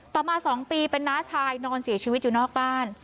ต่อมา๒ปีเป็นน้าชายนอนเสียชีวิตอยู่นอกบ้าน